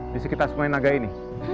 di sekitar sungai naga ini